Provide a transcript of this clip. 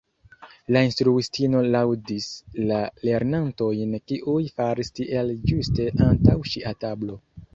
La instruistino laŭdis la lernantojn kiuj faris tiel ĝuste antaŭ ŝia tablo.